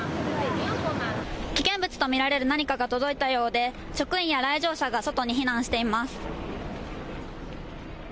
危険物と見られる何かが届いたようで、職員や来場者が外に避難しています。